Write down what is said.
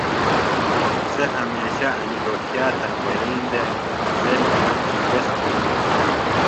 سےۡ ہمیشہ انیۡ گوکھِیہ تنگئین دےۡ سےۡ نِیام شِکست تِھین دےۡ